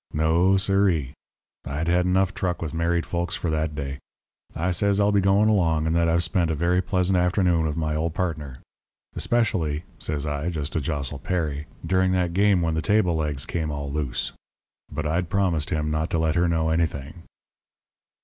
No, sir ee. I'd had enough truck with married folks for that day. I says I'll be going along, and that I've spent a very pleasant afternoon with my old partner 'especially,' says I, just to jostle Perry, 'during that game when the table legs came all loose.' But I'd promised him not to let her know anything.